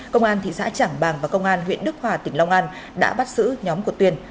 công an thị xã trảng bàng và công an huyện đức hòa tỉnh long an đã bắt giữ nhóm của tuyên